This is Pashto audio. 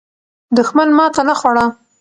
دښمن ماته نه خوړه.